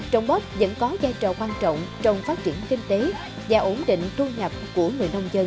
trồng bắp vẫn có giai trò quan trọng trong phát triển kinh tế và ổn định thu nhập của người nông dân